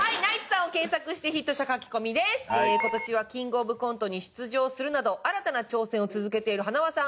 「今年はキングオブコントに出場するなど新たな挑戦を続けている塙さん」